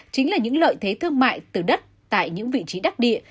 chính là những lợi thế thương mại từ đất tại những vị trí đắc địa